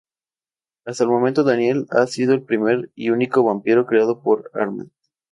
Hasta el momento Daniel ha sido el primer y único vampiro creado por Armand.